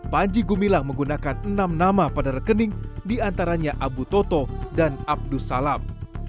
panji gumilang menggunakan enam nama pada rekening diantaranya abu toto dan abdus salam